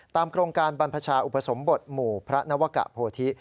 โครงการบรรพชาอุปสมบทหมู่พระนวกะโพธิ